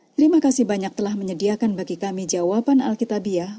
terima kasih banyak telah menyediakan bagi kami jawaban alkitabiah